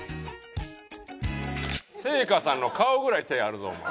星夏さんの顔ぐらい手あるぞお前。